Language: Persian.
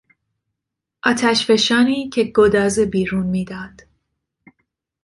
آتشفشانی که گدازه بیرون میداد